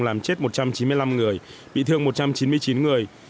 làm chết một trăm chín mươi năm người bị thương một trăm chín mươi chín người